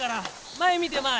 前見て前。